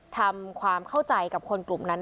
ทำความเข้าใจกับคนกลุ่มนั้น